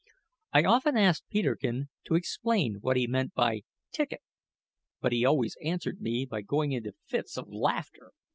I often asked Peterkin to explain what he meant by "ticket," but he always answered me by going into fits of laughter.